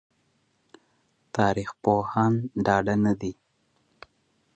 تاريخ پوهان ډاډه نه دي